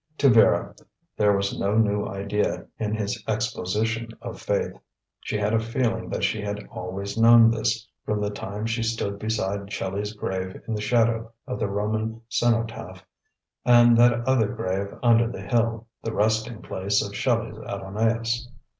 To Vera there was no new idea in his exposition of faith. She had a feeling that she had always known this, from the time she stood beside Shelley's grave in the shadow of the Roman Cenotaph, and that other grave under the hill, the resting place of Shelley's Adonais.